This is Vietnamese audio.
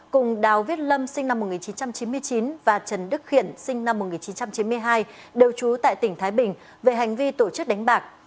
cùng đào viết lâm sinh năm một nghìn chín trăm chín mươi chín và trần đức khiển sinh năm một nghìn chín trăm chín mươi hai đều trú tại tỉnh thái bình về hành vi tổ chức đánh bạc